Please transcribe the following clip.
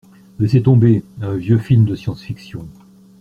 Laissez tomber, un vieux film de science-fiction.